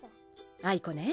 あいこね。